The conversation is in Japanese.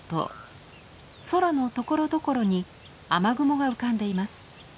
空のところどころに雨雲が浮かんでいます。